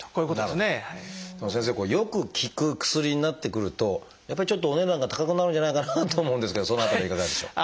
でも先生よく効く薬になってくるとやっぱりちょっとお値段が高くなるんじゃないかなと思うんですけどその辺りいかがでしょう？